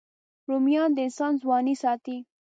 رومیان د انسان ځواني ساتي